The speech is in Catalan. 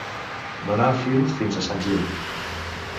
Donar fil fins a sant Gil.